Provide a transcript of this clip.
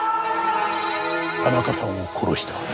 田中さんを殺した。